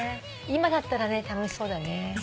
今だったらね楽しそうだね。